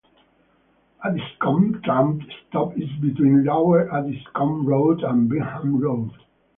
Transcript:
Addiscombe tram stop is between Lower Addiscombe Road and Bingham Road.